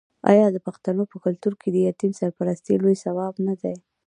آیا د پښتنو په کلتور کې د یتیم سرپرستي لوی ثواب نه دی؟